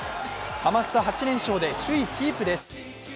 ハマスタ８連勝で首位キープです。